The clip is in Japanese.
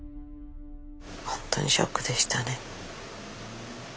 本当にショックでしたね。